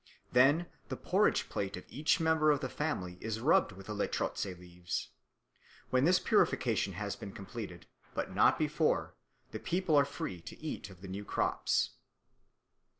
Then the porridge plate of each member of the family is rubbed with the lerotse leaves. When this purification has been completed, but not before, the people are free to eat of the new crops.